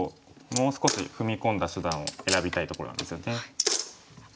もう少し踏み込んだ手段を選びたいところなんですよね。